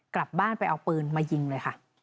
กลับบ้านไปเอาปืนมายิงเลยค่ะ